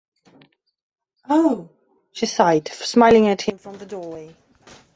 “Oh!” she sighed, smiling at him from the doorway.